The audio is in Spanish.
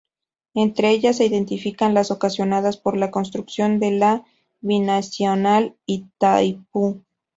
Entre ellas, se identifican las ocasionadas por la construcción de la Binacional Itaipú.